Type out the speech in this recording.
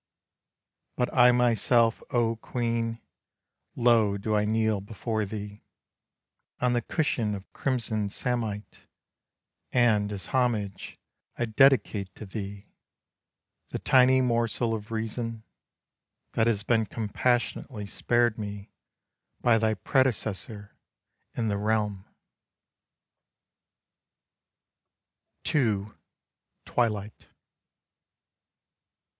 But I myself, oh Queen, Low do I kneel before thee, On the cushion of crimson samite, And as homage I dedicate to thee. The tiny morsel of reason, That has been compassionately spared me By thy predecessor in the realm. II. TWILIGHT.